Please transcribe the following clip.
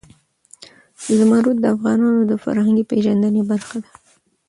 زمرد د افغانانو د فرهنګي پیژندنې برخه ده.